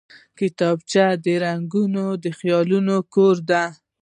کتابچه د رنګینو خیالونو کور دی